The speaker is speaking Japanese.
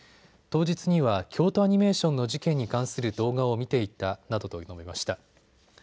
当日には京都アニメーションの事件に関する動画を見ていたなどと述べました。